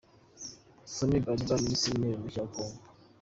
Samy Badibanga Minisitiri w’Intebe mushya wa Congo